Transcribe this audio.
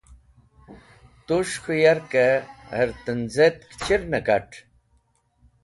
Tus̃h k̃hũ yarkẽ her tenzẽtk chir ne kat̃?